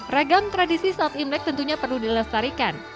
ragam tradisi saat imlek tentunya perlu dilestarikan